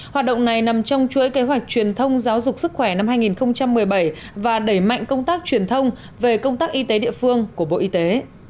hoạt động này nằm trong chuỗi kế hoạch truyền thông giáo dục sức khỏe năm hai nghìn một mươi bảy và đẩy mạnh công tác truyền thông về công tác y tế địa phương của bộ y tế